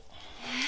え？